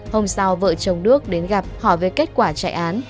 hôm sau vợ chồng đước đến gặp hỏi về kết quả chạy án